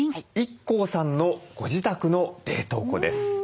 ＩＫＫＯさんのご自宅の冷凍庫です。